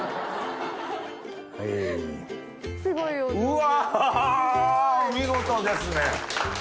うわお見事ですね。